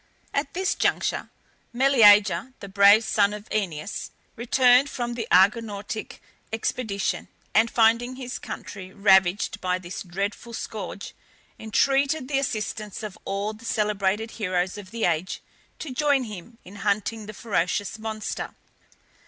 At this juncture, Meleager, the brave son of Oeneus, returned from the Argonautic expedition, and finding his country ravaged by this dreadful scourge, entreated the assistance of all the celebrated heroes of the age to join him in hunting the ferocious monster.